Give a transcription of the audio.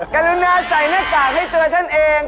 กรุณาใส่หน้ากากให้ตัวท่านเอง